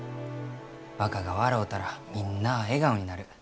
若が笑うたらみんなあ笑顔になる。